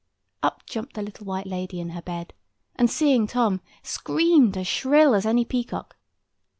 Up jumped the little white lady in her bed, and, seeing Tom, screamed as shrill as any peacock.